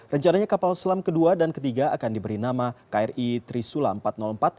rencananya kapal selam kedua dan ketiga akan diberi nama kri trisula empat ratus empat